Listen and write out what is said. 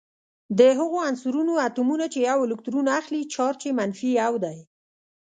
د هغو عنصرونو اتومونه چې یو الکترون اخلي چارج یې منفي یو دی.